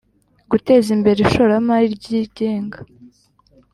guteza imbere ishoramari ryigenga